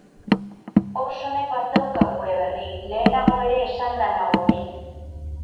Orsonek bazeukan gure berri, lehenago ere esanda nago hori.